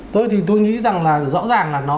tôi thì tôi nghĩ rằng là rõ ràng là